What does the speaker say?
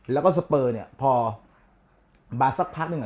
แล้วก็สเปอร์เนี่ยพอมาสักพักหนึ่ง